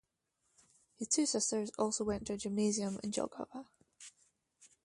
His two sisters also went to gymnasium in Jelgava.